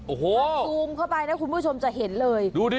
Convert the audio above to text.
โอ้โหซูมเข้าไปนะคุณผู้ชมจะเห็นเลยดูดิ